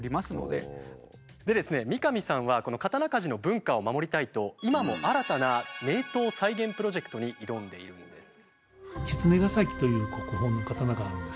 でですね三上さんはこの刀鍛冶の文化を守りたいと今も新たな名刀再現プロジェクトに挑んでいるんです。